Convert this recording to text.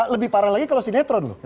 lebih parah lagi kalau sinetron